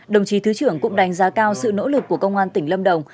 đồng chí thứ trưởng cũng đánh giá cao sự nỗ lực của công an tỉnh lâm đồng